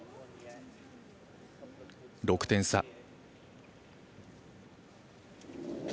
６点差。